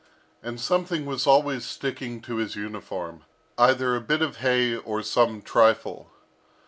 And something was always sticking to his uniform, either a bit of hay or some trifle.